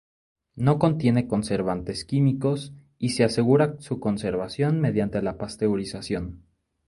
No contiene conservantes químicos y se asegura su conservación mediante la pasteurización.